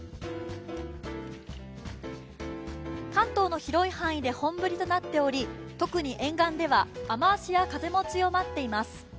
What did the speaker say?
関東の広い範囲で本降りとなっており、特に沿岸では雨足や風も強まっています。